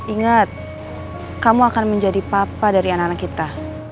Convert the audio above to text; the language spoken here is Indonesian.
ingat kamu akan menjadi papa dari anak anak kita